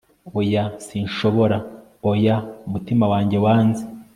oya! sinshobora! oya, umutima wanjye wanze